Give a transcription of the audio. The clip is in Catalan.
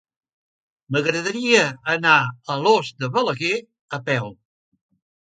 M'agradaria anar a Alòs de Balaguer a peu.